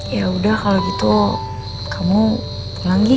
yaudah kalau gitu kamu pulang ghi